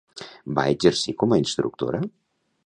Va exercir com a instructora?